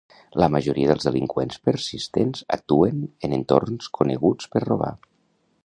La majoria dels delinqüents persistents actuen en entorns coneguts per robar.